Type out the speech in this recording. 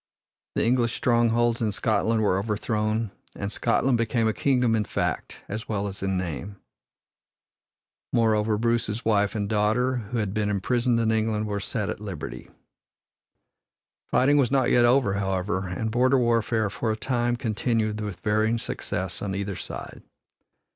The English strongholds in Scotland were overthrown, and Scotland became a kingdom in fact as well as in name. Moreover, Bruce's wife and daughter, who had been imprisoned in England, were set at liberty. Fighting was not yet over, however, and border warfare for a time continued with varying success on either side.